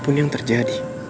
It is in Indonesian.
apapun yang terjadi